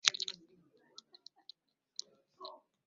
Mimi ni mkuu wake kwa kila kitu.